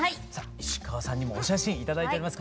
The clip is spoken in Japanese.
石川さんにもお写真頂いております。